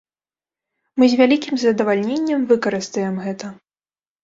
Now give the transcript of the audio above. Мы з вялікім задавальненнем выкарыстаем гэта.